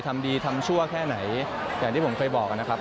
ทำดีทำชั่วแค่ไหนอย่างที่ผมเคยบอกนะครับ